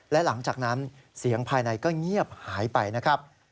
และหลังจากนั้นเสียงภายในก็เงียบหายไปนะครับ